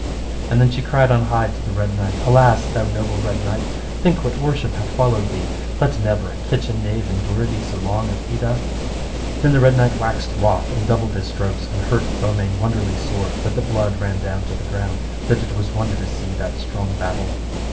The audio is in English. And then she cried on high to the Red Knight, Alas, thou noble Red Knight, think what worship hath followed thee, let never a kitchen knave endure thee so long as he doth. Then the Red Knight waxed wroth and doubled his strokes, and hurt Beaumains wonderly sore, that the blood ran down to the ground, that it was wonder to see that strong battle.